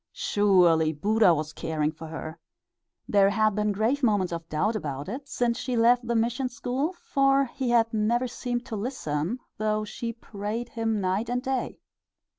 Surely Buddha was caring for her! There had been grave moments of doubt about it since she left the mission school, for he had never seemed to listen, though she prayed him night and day.